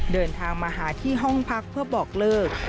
เดินทางมาหาที่ห้องพักเพื่อบอกเลิก